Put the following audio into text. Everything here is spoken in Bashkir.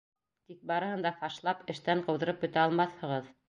Тик барыһын да фашлап, эштән ҡыуҙырып бөтә алмаҫһығыҙ!